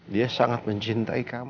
dia sangat mencintai kamu